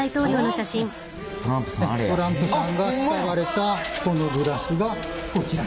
トランプさんが使われたこのグラスがこちら。